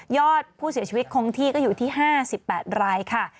อดผู้เสียชีวิตคงที่ก็อยู่ที่๕๘รายค่ะ